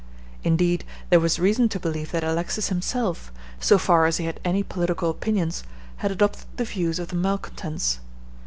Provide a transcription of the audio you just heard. Indeed, there was reason to believe that Alexis himself, so far as he had any political opinions, had adopted the views of the malcontents.